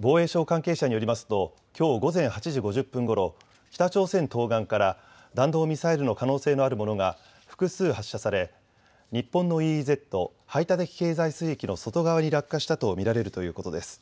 防衛省関係者によりますときょう午前８時５０分ごろ北朝鮮東岸から弾道ミサイルの可能性のあるものが複数発射され日本のＥＥＺ・排他的経済水域の外側に落下したと見られるということです。